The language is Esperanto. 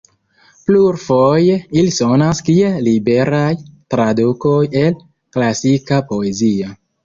Plurfoje ili sonas kiel liberaj tradukoj el klasika poezio.